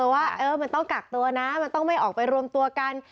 ว่ามันต้องกักตัวนะมันต้องไม่ออกไปรวมตัวกัน